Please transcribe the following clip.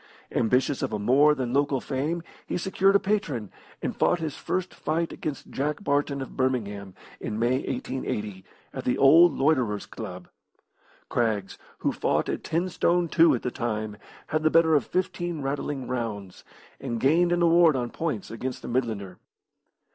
Ambitious of a more than local fame, he secured a patron, and fought his first fight against Jack Barton, of Birmingham, in May 1880, at the old Loiterers' Club. Craggs, who fought at ten stone two at the time, had the better of fifteen rattling rounds, and gained an award on points against the Midlander.